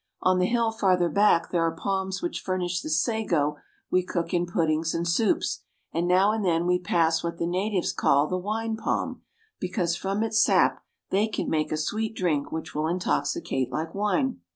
On the hill farther back there are palms which furnish the sago we cook in puddings and soups, and now and then we pass what the natives call the wine palm, because from its sap they can make a sweet drink which will intoxicate like wine.